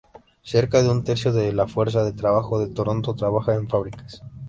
Cerca de un tercio de la fuerza de trabajo de Toronto trabaja en fábricas.